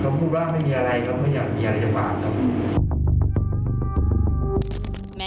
เขาพูดว่าไม่มีอะไรเขาไม่อยากมีอะไรจะฝาก